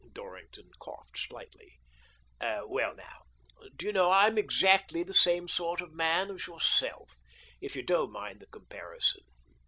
Dorrington coughed slightly. "Well now, do yon know, I am exactly the same sort of man as yourself — if you don't mind the comparison.